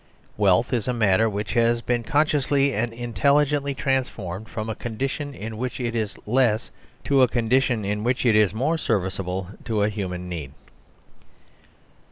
Wealth is matter which has been consciously and intelligently transformed from a condition in which it is less to a condition in which it is more service able to a human need.